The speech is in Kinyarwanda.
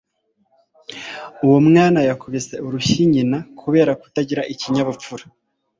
Uwo mwana yakubise urushyi nyina kubera kutagira ikinyabupfura